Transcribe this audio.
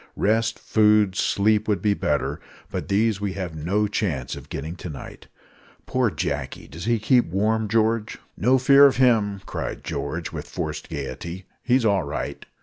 Rest, food, sleep, would be better; but these we have no chance of getting to night. Poor Jacky! does he keep warm, George?" "No fear of him," cried George, with forced gaiety. "He's all right."